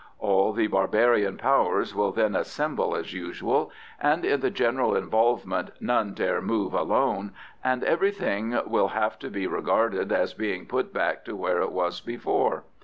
All the barbarian powers will then assemble as usual, and in the general involvement none dare move alone, and everything will have to be regarded as being put back to where it was before.